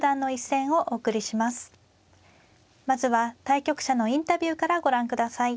まずは対局者のインタビューからご覧ください。